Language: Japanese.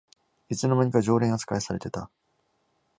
いつの間にか常連あつかいされてた